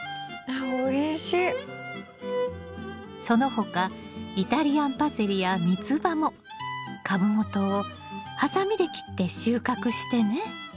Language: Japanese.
その他イタリアンパセリやミツバも株元をハサミで切って収穫してね。